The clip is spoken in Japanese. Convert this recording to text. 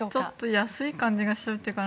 安い感じがするというか